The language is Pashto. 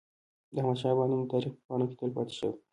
د احمد شاه بابا نوم د تاریخ په پاڼو کي تل پاتي سو.